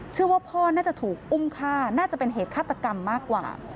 เชื่อว่าพ่อน่าจะถูกอุ้มฆ่าน่าจะเป็นเหตุฆาตกรรมมากกว่า